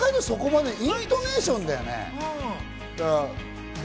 そこまでイントネーションだよね？